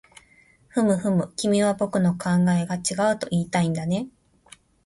ふむふむ、君は僕の考えが違うといいたいんだね